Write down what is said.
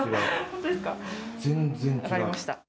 分かりました。